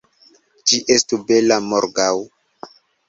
Ĝi estu bela morgaŭ!